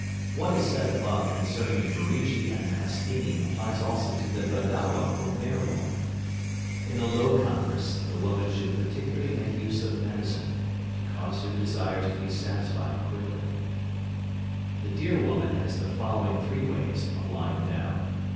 What is said above concerning the Mrigi and the Hastini applies also to the Vadawa (Mare) woman. In a "low congress" the women should particularly make use of medicine, to cause her desires to be satisfied quickly. The Deer woman has the following three ways of lying down.